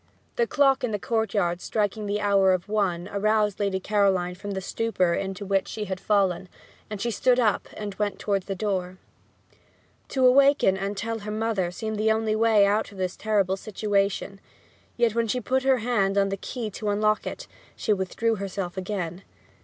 The clock in the courtyard striking the hour of one aroused Lady Caroline from the stupor into which she had fallen, and she stood up, and went towards the door. To awaken and tell her mother seemed her only way out of this terrible situation; yet when she put her hand on the key to unlock it she withdrew herself again.